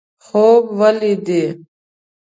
خوب ولیدي.